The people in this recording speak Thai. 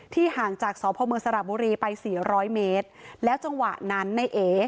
ห่างจากสพมสระบุรีไปสี่ร้อยเมตรแล้วจังหวะนั้นในเอ